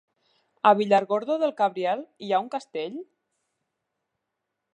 A Villargordo del Cabriel hi ha un castell?